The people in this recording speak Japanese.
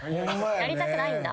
やりたくないんだ。